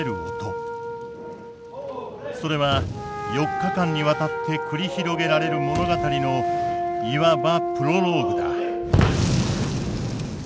それは４日間にわたって繰り広げられる物語のいわばプロローグだ。